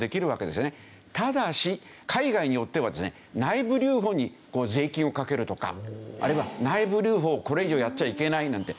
ただし海外によってはですね内部留保に税金をかけるとかあるいは内部留保をこれ以上やっちゃいけないなんて。